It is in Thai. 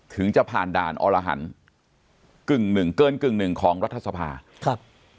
ถึงจะผ่านด่านอรหันศ์เกินกึ่งหนึ่งของรัฐสภาคม